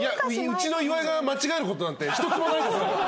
うちの岩井が間違える事なんて一つもないですから。